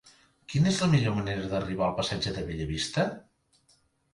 Quina és la millor manera d'arribar al passatge de Bellavista?